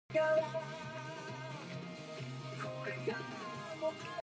So the project was rejected and they redid it.